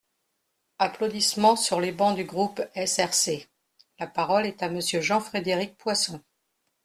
(Applaudissements sur les bancs du groupe SRC.) La parole est à Monsieur Jean-Frédéric Poisson.